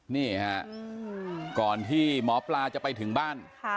นี่ฮะก่อนที่หมอปลาจะไปถึงบ้าน